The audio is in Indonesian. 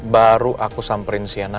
baru aku samperin sienna